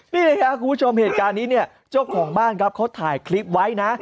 นี่แหละคุณผู้ชมเหตุการณ์นี้เจ้าของบ้านเขาถ่ายคลิปไว้นะ